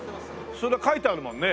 そりゃ書いてあるもんね。